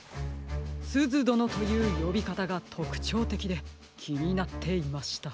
「すずどの」というよびかたがとくちょうてきできになっていました。